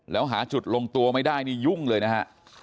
แล้วหาจุดลงตัวไม่ได้นี่ยุ่งเลยนะฮะ